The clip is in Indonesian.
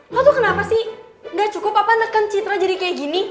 lo tuh kenapa sih gak cukup apa neken citra jadi kayak gini